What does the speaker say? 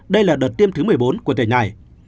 đây là đợt tiêm thứ một mươi bốn của tỉnh này